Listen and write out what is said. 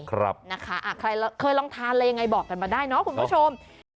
ใครเคยลองทานอะไรยังไงบอกกันมาได้เนาะคุณผู้ชม